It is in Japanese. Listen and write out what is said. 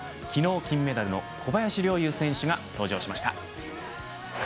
昨日金メダルの小林陵侑選手が登場しました。